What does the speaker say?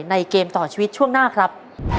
เกมต่อชีวิตช่วงหน้าครับ